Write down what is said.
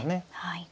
はい。